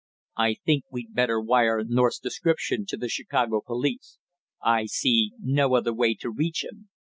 "I think we'd better wire North's description to the Chicago police; I see no other way to reach him."